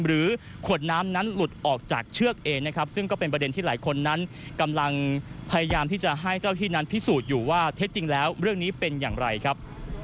หรือขวดน้ำนั้นหลุดออกจากเชือกเองนะครับซึ่งก็เป็นประเด็นที่หลายคนนั้นกำลังพยายามที่จะให้เจ้าที่นั้นพิสูจน์อยู่ว่าเท็จจริงแล้วเรื่องนี้เป็นอย่างไรครับ